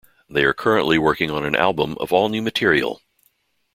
They are currently working on an album of all new material.